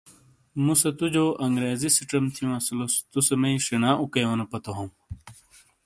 مُوسے توجو انگریزی سِیچیم تھیوں اسِیلوس تُوسے میئی شینا اوکایونو پاتو ہوں۔